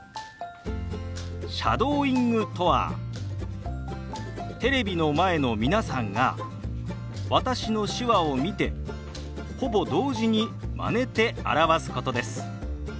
シャドーイングとはテレビの前の皆さんが私の手話を見てほぼ同時にまねて表すことです。